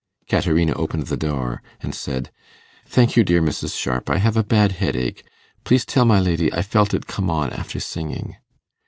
Caterina opened the door and said, 'Thank you, dear Mrs. Sharp; I have a bad headache; please tell my lady I felt it come on after singing.